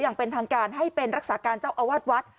อย่างเป็นทางการให้เป็นรักษาการเจ้าอาวาสวัด